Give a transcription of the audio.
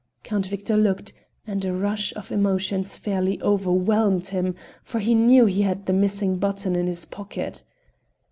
Count Victor looked, and a rush of emotions fairly overwhelmed him, for he knew he had the missing button in his pocket.